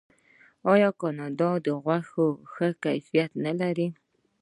آیا د کاناډا غوښه ښه کیفیت نلري؟